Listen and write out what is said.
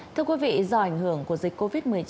thưa quý vị do ảnh hưởng của dịch covid một mươi chín